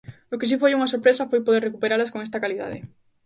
O que si foi unha sorpresa foi poder recuperalas con esta calidade.